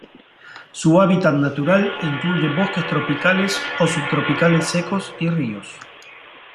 Su hábitat natural incluye bosques tropicales o subtropicales secos y ríos.